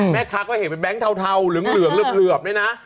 แม่ค้าก็เห็นเป็นแบงค์เทาเหลืองเหลือบด้วยนะ